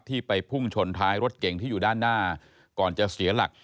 ไปพุ่งชนท้ายรถเก่งที่อยู่ด้านหน้าก่อนจะเสียหลัก